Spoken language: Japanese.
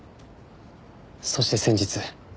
そして先日。